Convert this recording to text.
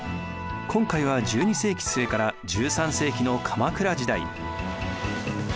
今回は１２世紀末から１３世紀の鎌倉時代。